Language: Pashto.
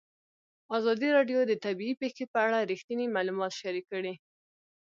ازادي راډیو د طبیعي پېښې په اړه رښتیني معلومات شریک کړي.